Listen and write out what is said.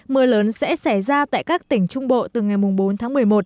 mưa lớn sẽ xảy ra tại các tỉnh trung bộ từ ngày bốn tháng một mươi một